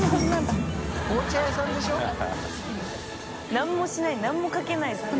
何もしない何もかけないんですね。